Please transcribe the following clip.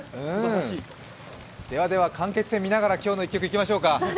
では、間欠泉見ながら今日の１曲いきましょうか。